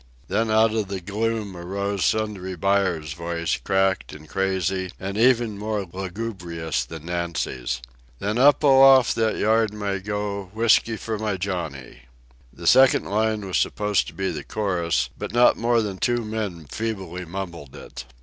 Then out of the gloom arose Sundry Buyers' voice, cracked and crazy and even more lugubrious than Nancy's: "Then up aloft that yard must go, Whiskey for my Johnny." The second line was supposed to be the chorus, but not more than two men feebly mumbled it.